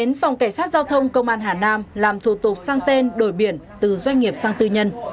đến phòng cảnh sát giao thông công an hà nam làm thủ tục sang tên đổi biển từ doanh nghiệp sang tư nhân